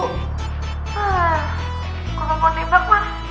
hah gua mau mau nembak mah